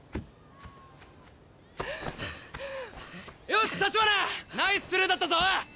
よし橘ナイススルーだったぞ！